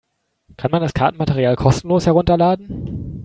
Kann man das Kartenmaterial kostenlos herunterladen?